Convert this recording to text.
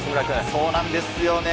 そうなんですよね。